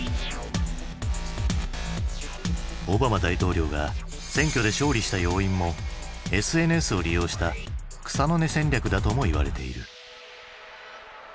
オバマ大統領が選挙で勝利した要因もＳＮＳを利用した草の根戦略だともいわれている。